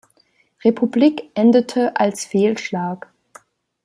Republik endete als Fehlschlag.